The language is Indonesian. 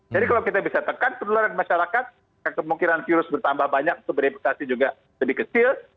jadi kalau kita bisa tekan peneloran masyarakat kemungkinan virus bertambah banyak itu bereplikasi juga lebih kecil